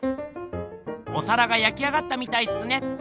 おさらがやきあがったみたいっすね！